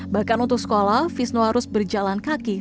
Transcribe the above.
bahkan untuk sekolah fizno harus berjalan kakek